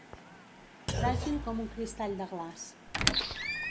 Fràgil com un cristall de glaç.